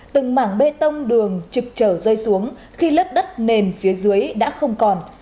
từng mảng bê tông đường trực trở rơi xuống khi lớp đất nền phía dưới đã không còn